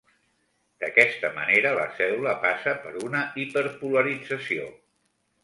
D"aquesta manera la cèl·lula passa per una hiperpolarització.